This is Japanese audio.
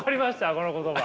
この言葉。